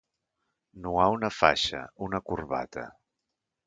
Nuar una faixa, una corbata.